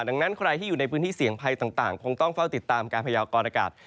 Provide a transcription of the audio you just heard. ดังนั้นใครที่อยู่ในพื้นที่เสี่ยงภัยต่างคงต้องเฝ้าติดตามการพยากรอากาศ